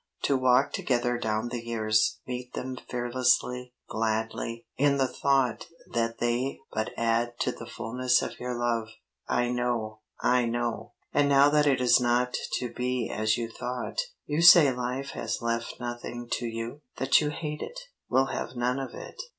To walk together down the years, meet them fearlessly, gladly, in the thought that they but add to the fullness of your love I know I know. And now that it is not to be as you thought, you say life has left nothing to you; that you hate it; will have none of it.